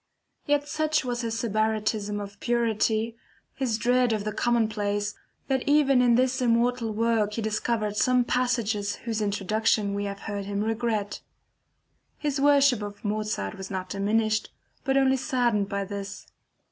Yet such was his Sybaritism of purity, his dread of the commonplace, that even in this immortal work he discovered some passages whose introduction we have heard him regret. His worship for Mozart was not diminished but only saddened by this.